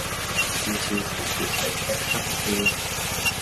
悄悄是別離的笙簫